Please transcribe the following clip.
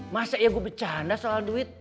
masa ya gue bercanda soal duit